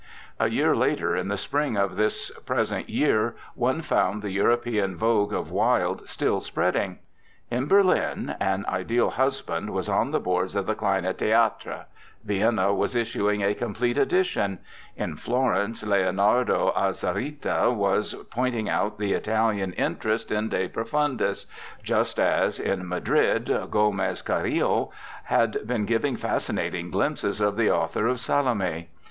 A year later, in the spring of this pres ent year, one found the European vogue of Wilde still spreading. In Berlin, "An Ideal Husband" was on the boards of the Kleine Theatre; Vienna was issuing a Complete Edition; in Florence, Leonardo Azzarita was pointing out the Italian interest in "De Profundis," just as, in Madrid, Gomez Carillo had been giving fascinating glimpses of the author of "Salome."